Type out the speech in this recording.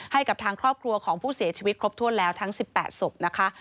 ให้กับทางครอบครัวของผู้เสียชีวิตครบถ้วนแล้วทั้ง๑๘ศพนะคะ